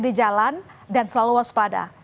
di jalan dan selalu waspada